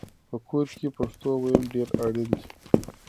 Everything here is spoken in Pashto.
په کور کې د پښتو ویل ډېر اړین دي.